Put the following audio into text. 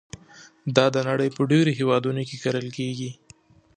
دا د نړۍ په ډېرو هېوادونو کې کرل کېږي.